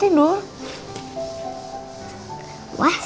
ini orang luar biasa